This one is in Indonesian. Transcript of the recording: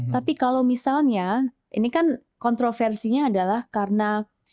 tapi kalau misalnya ini kan kontroversinya adalah karena